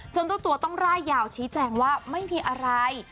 จนตัวตัวต้องล่ายยาวชี้แจงว่าไม่มีอะไร